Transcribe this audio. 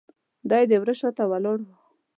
دی د ور شاته ولاړ و.